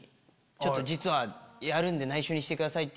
実はやるんで内緒にしてくださいって。